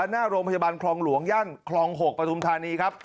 หน้าโรงพยาบาลคลองหลวงย่านคลอง๖ปฐุมธานีครับ